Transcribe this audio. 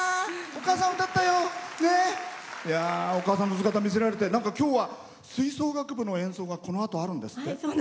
お母さんの姿を見せられてなんか今日は吹奏楽部の演奏がこのあとあるんですって？